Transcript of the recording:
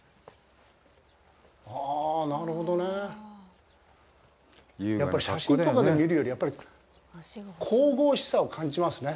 あ、なるほどね。やっぱり写真とかで見るよりやっぱり神々しさを感じますね。